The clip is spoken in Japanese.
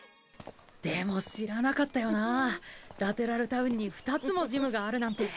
でも知らなかったよなラテラルタウンに２つもジムがあるなんて。